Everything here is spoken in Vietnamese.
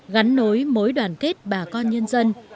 gắn nối mối đoàn kết bà con nhân dân